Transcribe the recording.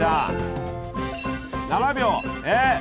７秒えっ？